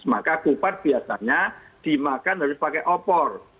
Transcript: maka kupat biasanya dimakan harus pakai opor